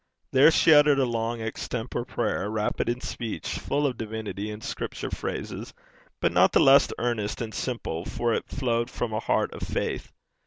There she uttered a long extempore prayer, rapid in speech, full of divinity and Scripture phrases, but not the less earnest and simple, for it flowed from a heart of faith.